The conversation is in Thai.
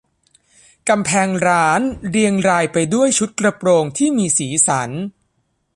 กำแพงร้านเรียงรายไปด้วยชุดกระโปรงที่มีสีสัน